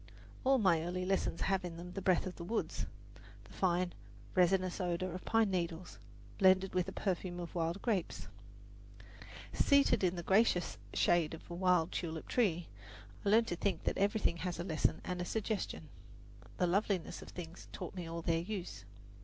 All my early lessons have in them the breath of the woods the fine, resinous odour of pine needles, blended with the perfume of wild grapes. Seated in the gracious shade of a wild tulip tree, I learned to think that everything has a lesson and a suggestion. "The loveliness of things taught me all their use."